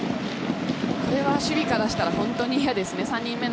これは守備からすると本当に嫌ですよね。